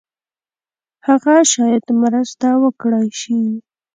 هغه شاید مرسته وکړای شي.